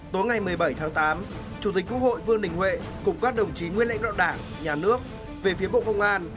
tối ngày một mươi bảy tháng tám chủ tịch quốc hội vương đình huệ cùng các đồng chí nguyên lãnh đạo đảng nhà nước về phía bộ công an